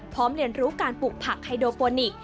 พร้อมเรียนรู้การปลุกผักไฮโดโปนิค